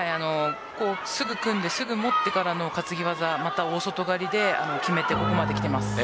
すぐに組んですぐ持ってからの担ぎ技また大外刈りでここまできています。